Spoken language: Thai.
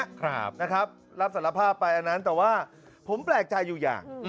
ครับนะครับรับสารภาพไปอันนั้นแต่ว่าผมแปลกใจอยู่อย่าง